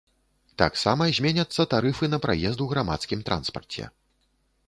Таксама зменяцца тарыфы на праезд у грамадскім транспарце.